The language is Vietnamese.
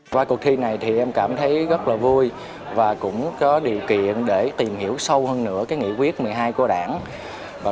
qua cuộc thi này thì em cảm thấy rất là vui và cũng có điều kiện để tìm hiểu sâu hơn nữa